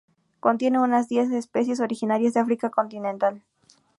Contiene unas diez especies originarias de África continental.